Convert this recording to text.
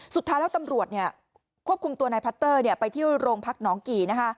สุดท้ายแล้วตำรวจควบคุมตัวใน๒๐๐๗ไปที่โรงพักหนองกี่